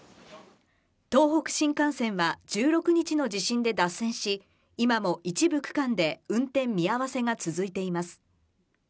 東北新幹線は１６日の地震で脱線し、今も一部区間で運転見合わせが続いています。